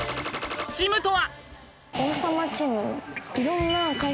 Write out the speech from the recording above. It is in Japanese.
○○チムとは？